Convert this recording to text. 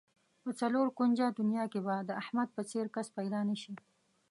په څلور کونجه دنیا کې به د احمد په څېر کس پیدا نشي.